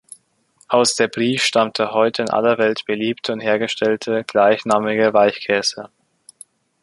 Aus der Brie stammt der heute in aller Welt beliebte und hergestellte gleichnamige Weichkäse.